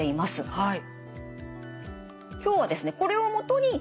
はい。